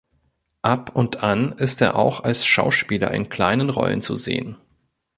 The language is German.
Ab und an ist er auch als Schauspieler in kleinen Rollen zu sehen.